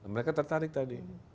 mereka tertarik tadi